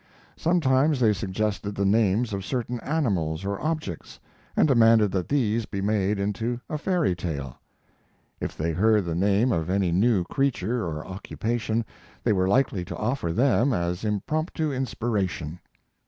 Sometimes they suggested the names of certain animals or objects, and demanded that these be made into a fairy tale. If they heard the name of any new creature or occupation they were likely to offer them as impromptu inspiration.